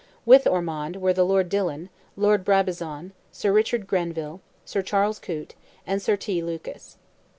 With Ormond were the Lord Dillon, Lord Brabazon, Sir Richard Grenville, Sir Charles Coote, and Sir T. Lucas.